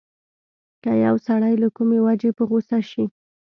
که يو سړی له کومې وجې په غوسه شي.